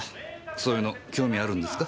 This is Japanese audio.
そういうの興味あるんですか？